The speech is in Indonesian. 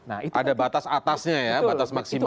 ada batas atasnya ya batas maksimal